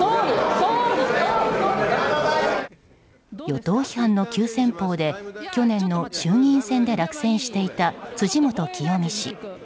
与党批判の急先鋒で去年の衆議院選で落選していた辻元清美氏。